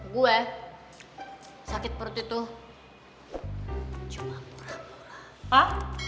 gue sakit perut itu cuma pura pura